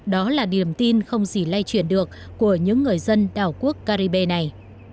đó là niềm tin không gì lay chuyển được của những người dân đảo quốc caribe này